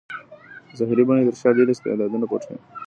د ظاهري بڼې تر شا ډېر استعدادونه پټ وي.